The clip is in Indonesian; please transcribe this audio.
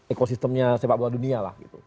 ekosistemnya sepak bola dunia lah gitu